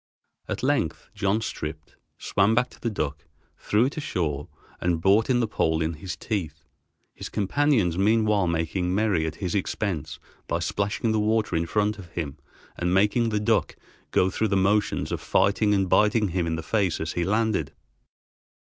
At length John stripped, swam to the duck, threw it ashore, and brought in the pole in his teeth, his companions meanwhile making merry at his expense by splashing the water in front of him and making the dead duck go through the motions of fighting and biting him in the face as he landed.